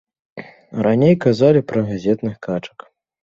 Раней казалі пра газетных качак.